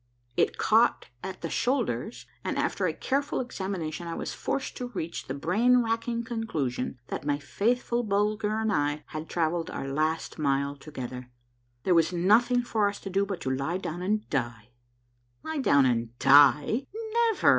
ft caught at the slioulders, and after a careful examination I was forced to reach the brain racking conclusion that my faithful Bulger and I had travelled our last mile together. There was nothing for us to do but to lie down and die. Lie down and die? Never!